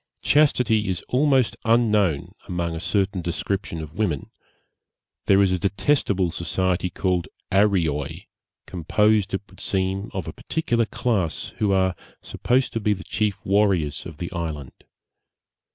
Chastity is almost unknown among a certain description of women: there is a detestable society called Arreoy, composed, it would seem, of a particular class, who are supposed to be the chief warriors of the island.